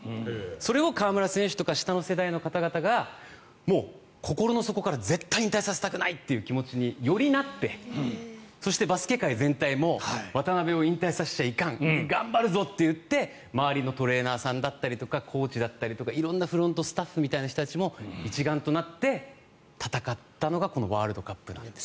それを河村選手とか下の世代の方々がもう、心の底から絶対引退させたくないという気持ちによりなって、そしてバスケ界全体も渡邊を引退させちゃいかん頑張るぞと言って周りのトレーナーさんとかコーチだったりとか色んなフロントスタッフの人たちも一丸となって戦ったのがこのワールドカップなんです。